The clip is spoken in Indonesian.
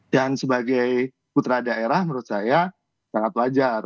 dan sebagai putra daerah menurut saya sangat belajar